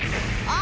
あ！